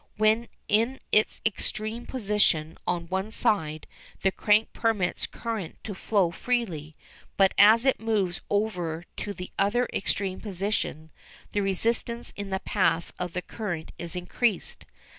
When in its extreme position on one side the crank permits current to flow freely, but as it moves over to the other extreme position the resistance in the path of the current is increased.